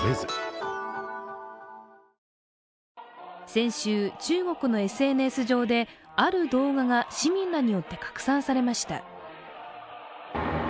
先週、中国のＳＮＳ上で、ある動画が市民らによって拡散されました。